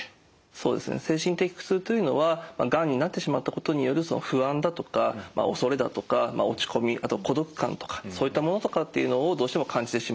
そうですね精神的苦痛というのはがんになってしまったことによる不安だとか恐れだとか落ち込みあと孤独感とかそういったものとかっていうのをどうしても感じてしまう。